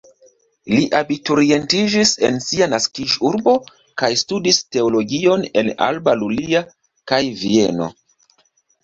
Li abiturientiĝis en sia naskiĝurbo kaj studis teologion en Alba Iulia kaj Vieno.